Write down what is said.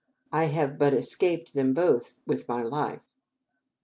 I have but escaped them both with my life.